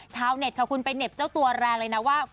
ชาวเน็ตค่ะคุณไปเหน็บเจ้าตัวแรงเลยนะว่า